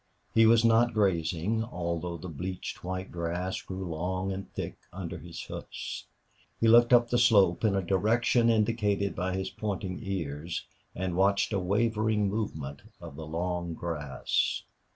He was not grazing, although the bleached white grass grew long and thick under his hoofs. He looked up the slope, in a direction indicated by his pointing ears, and watched a wavering movement of the long grass.